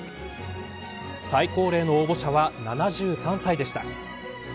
最高齢の応募者は７３歳でした。